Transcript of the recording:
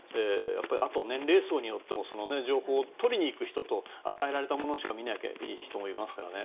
あと、年齢層によっても情報をとりに行く人と与えられたものしか見ればいい人もいますからね。